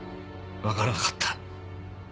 わからなかった。